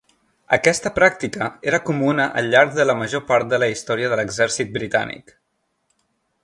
Aquesta pràctica era comuna al llarg de la major part de la història de l'exèrcit britànic.